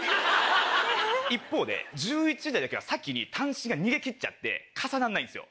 一方で１１時台だけは先に短針が逃げ切っちゃって重なんないんですよ。